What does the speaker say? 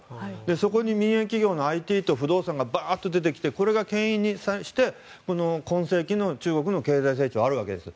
そこに民有企業のＩＴの不動産がバーっと出てきてこれがけん引して今世紀の中国の経済成長はあるわけです。